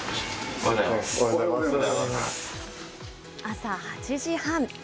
朝８時半。